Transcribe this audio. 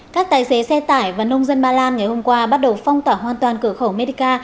các tài xế xe tải và nông dân ba lan ngày hôm qua bắt đầu phong tỏa hoàn toàn cửa khẩu medica